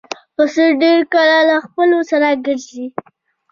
پسه ډېر کله له خپلو سره ګرځي.